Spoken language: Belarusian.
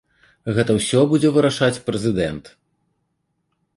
Гэта ўсё будзе вырашаць прэзідэнт.